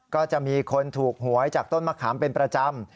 ก็จะมีคนถูกหวยจากต้นมะขามเป็นประจำ